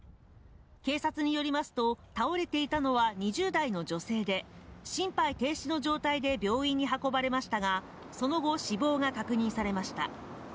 警察によりますと、倒れていたのは２０代の女性で心肺停止の状態で病院に運ばれましたが、その後死亡が確認されました。